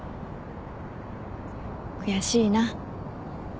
悔しいな。